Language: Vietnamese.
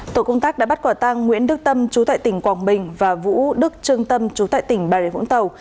tổ công tác đã bắt quả tang nguyễn đức tâm chú tại tỉnh quảng bình và vũ đức trương tâm chú tại tỉnh bà rịa vũng tàu